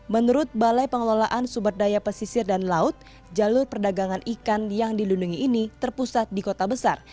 menurut balai pengelolaan sumber daya pesisir dan laut jalur perdagangan ikan yang dilindungi ini terpusat di kota besar